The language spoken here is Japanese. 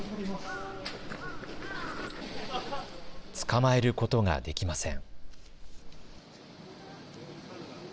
捕まえることができません。